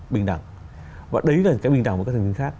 bình đẳng và đấy là những cái bình đẳng của các thành viên khác